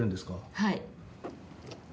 はい。